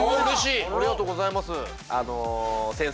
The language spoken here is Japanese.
ありがとうございます。